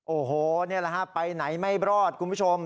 โอ้โหนี่แหละฮะไปไหนไม่รอดคุณผู้ชม